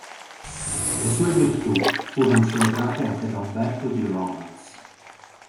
Le sue virtù furono celebrate anche da Umberto di Romans.